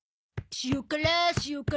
塩辛塩辛。